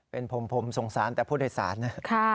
เป็นผมผมสงสารแต่ผู้โดยสารนะ